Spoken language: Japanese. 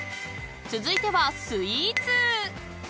［続いてはスイーツ］